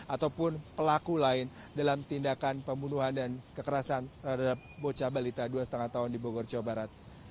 ataupun pelaku lain dalam tindakan pembunuhan dan kekerasan terhadap bocah balita dua lima tahun di bogor jawa barat